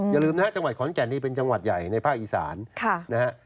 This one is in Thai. อย่าลืมนะฮะจังหวัดขอนแก่นนี่เป็นจังหวัดใหญ่ในภาคอีสานนะฮะ